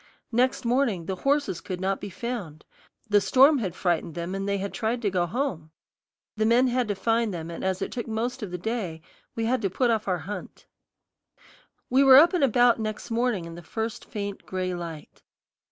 Next morning the horses could not be found; the storm had frightened them, and they had tried to go home. The men had to find them, and as it took most of the day, we had to put off our hunt. We were up and about next morning in the first faint gray light.